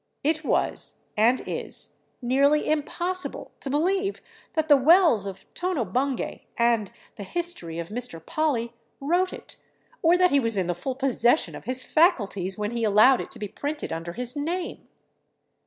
It was, and is, nearly impossible to believe that the Wells of "Tono Bungay" and "The History of Mr. Polly" wrote it, or that he was in the full possession of his faculties when he allowed it to be printed under his name.